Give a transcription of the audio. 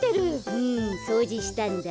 うんそうじしたんだ。